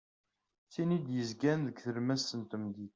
D tin i d-yezgan deg tlemmast n temdint.